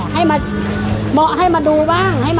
ให้มาให้มาดูบ้าง